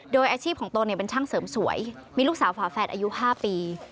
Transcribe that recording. โดยอาชีพของตนเป็นช่างเสริมสวยมีลูกสาวฝาแฝดอายุ๕ปี